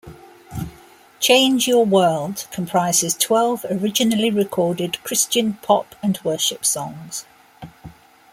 "Change Your World" comprises twelve originally-recorded 'Christian pop' and worship songs.